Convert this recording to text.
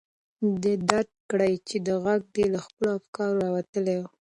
ده درک کړه چې غږ د ده له خپلو افکارو راوتلی و.